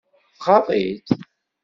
Tɣaḍ-itt?